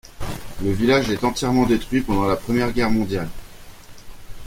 Le village est entièrement détruit pendant la Première Guerre mondiale.